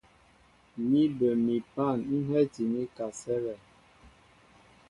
Ni bə mi pân ń hɛ́ti ní kasɛ́lɛ.